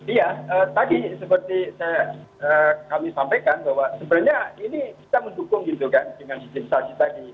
iya tadi seperti kami sampaikan bahwa sebenarnya ini kita mendukung gitu kan dengan sistem tadi